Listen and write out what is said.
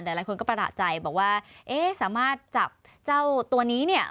แต่หลายคนก็ประดาษใจบอกว่าเอ๊ะสามารถจับเจ้าตัวนี้เนี่ย